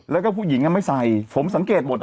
แล้วก็ผู้หญิงไม่ใส่ผมสังเกตหมด